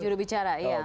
juru bicara ya